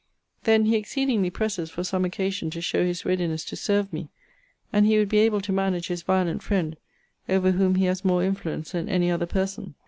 Then he exceedingly presses for some occasion to show his readiness to serve me: and he would be able to manage his violent friend, over whom he has more influence than any other person.